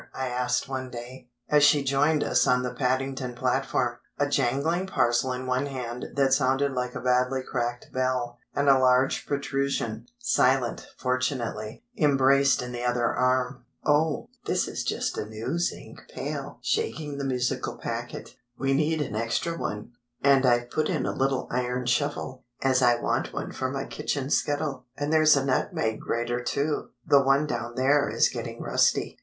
I asked one day, as she joined us on the Paddington platform, a jangling parcel in one hand that sounded like a badly cracked bell, and a large protrusion—silent, fortunately—embraced in the other arm. "Oh, this is just a new zinc pail" (shaking the musical packet), "we need an extra one; and I've put in a little iron shovel, as I want one for my kitchen scuttle: and there's a nutmeg grater too; the one down there is getting rusty.